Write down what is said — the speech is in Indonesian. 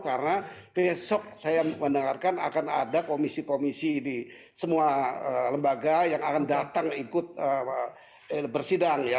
karena besok saya mendengarkan akan ada komisi komisi di semua lembaga yang akan datang ikut bersidang ya